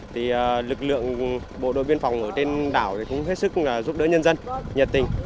thì lực lượng bộ đội biên phòng ở trên đảo cũng hết sức giúp đỡ nhân dân nhận tình